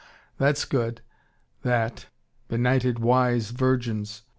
That's good, that benighted wise virgins!